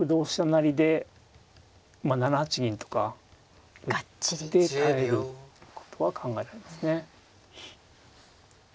成で７八銀とか打って耐えることは考えられますね。